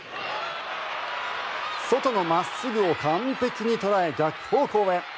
外の真っすぐを完璧に捉え逆方向へ。